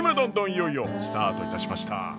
いよいよスタートいたしました。